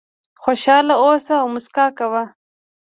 خوشاله اوسه او موسکا کوه .